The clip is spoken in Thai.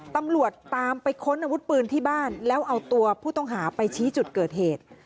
ตำรวจตามไปค้นอาวุธปืนที่บ้านแล้วเอาตัวผู้ต้องหาไปชี้จุดเกิดเหตุ